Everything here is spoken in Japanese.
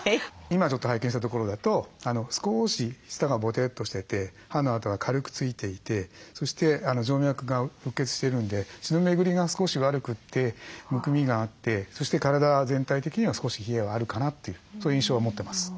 今ちょっと拝見したところだと少し舌がぼてっとしてて歯の跡が軽くついていてそして静脈がうっ血してるんで血の巡りが少し悪くてむくみがあってそして体全体的には少し冷えがあるかなというそういう印象は持ってます。